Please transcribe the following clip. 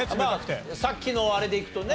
さっきのあれでいくとね。